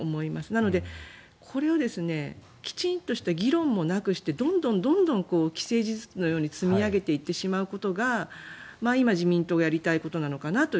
なので、これをきちんとした議論もなくしてどんどん既成事実のように積み上げていってしまうことが今、自民党がやりたいことなのかなと。